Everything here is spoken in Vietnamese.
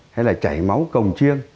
hay là chảy máu cồng chiêng